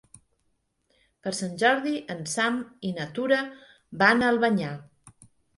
Per Sant Jordi en Sam i na Tura van a Albanyà.